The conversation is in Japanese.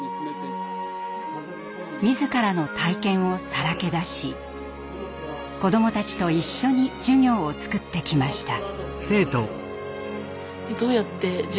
自らの体験をさらけ出し子どもたちと一緒に授業を作ってきました。